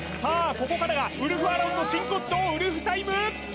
ここからがウルフアロンの真骨頂ウルフタイム！